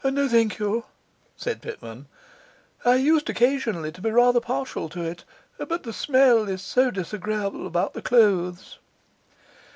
'No, thank you,' said Pitman. 'I used occasionally to be rather partial to it, but the smell is so disagreeable about the clothes.